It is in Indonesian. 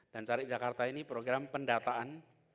dan cari jakarta ini program pendataan